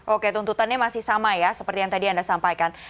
oke tuntutannya masih sama ya seperti yang tadi anda sampaikan